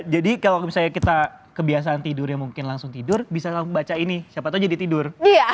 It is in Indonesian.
jadi kalau misalnya kita kebiasaan tidur ya mungkin langsung tidur bisa baca ini siapa tau jadi tidur